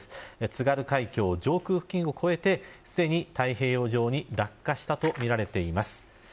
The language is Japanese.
津軽海峡、上空付近を越えてすでに太平洋上に落下したとみられています。